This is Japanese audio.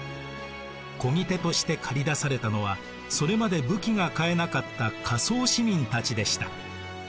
こぎ手として駆り出されたのはそれまで武器が買えなかった下層市民たちでした。